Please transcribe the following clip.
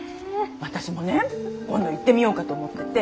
私もね今度行ってみようかと思ってて。